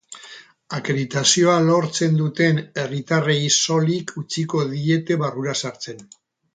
Akreditazioa lortzen duten herritarrei soilik utziko diete barrura sartzen.